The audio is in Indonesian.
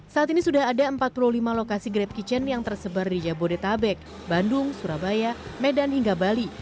saat ini sudah ada empat puluh lima lokasi grab kitchen yang tersebar di jabodetabek bandung surabaya medan hingga bali